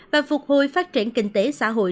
và phục hồi phát triển kinh tế xã hội